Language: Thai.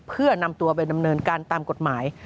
เพื่อนำตัวไปดำเนินการตามกฎหมาย